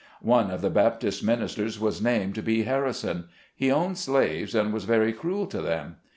One of the Baptist ministers was named B. Har rison. He owned slaves, and was very cruel to them.